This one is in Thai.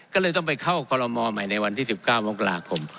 ก็เลยต้องไปเข้าคอลโลมอลใหม่ในวันที่๑๙มกราคม